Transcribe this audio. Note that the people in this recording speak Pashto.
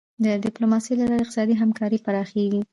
د ډیپلوماسی له لارې اقتصادي همکاري پراخیږي.